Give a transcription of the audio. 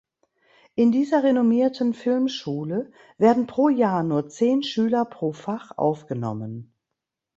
In dieser renommierten Filmschule werden pro Jahr nur zehn Schüler pro Fach aufgenommen.